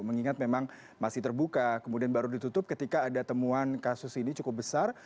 mengingat memang masih terbuka kemudian baru ditutup ketika ada temuan kasus ini cukup besar